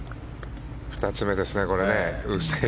２つ目ですね、これで。